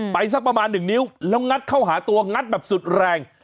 สักประมาณ๑นิ้วแล้วงัดเข้าหาตัวงัดแบบสุดแรง